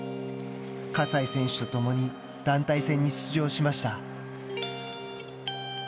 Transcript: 葛西選手とともに団体戦に出場しました。